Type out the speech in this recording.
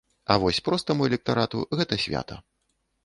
А вось простаму электарату гэта свята.